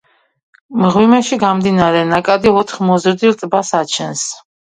მღვიმეში გამდინარე ნაკადი ოთხ მოზრდილ ტბას აჩენს.